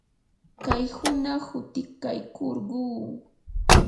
kay hunaq utikaykurquu.